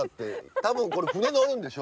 多分これ舟乗るんでしょ？